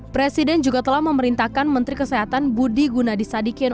presiden juga telah memerintahkan menteri kesehatan budi gunadisadikin